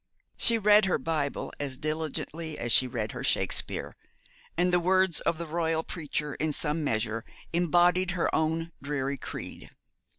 She read her Bible as diligently as she read her Shakespeare, and the words of the Royal Preacher in some measure embodied her own dreary creed.